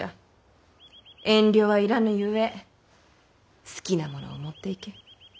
遠慮はいらぬゆえ好きなものを持っていけ。